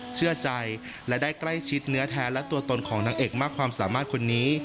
เชื่อใจและได้ใกล้ชิดเนื้อแท้และตัวตนของนางเอกมากความสามารถคนนี้